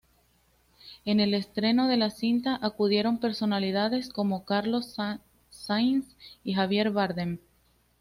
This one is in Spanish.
En el estreno de la cinta acudieron personalidades como Carlos Sainz y Javier Bardem.